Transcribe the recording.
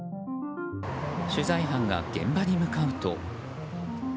取材班が現場に向かうと。